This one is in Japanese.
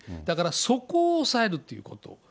だからそこを抑えるっていうこと。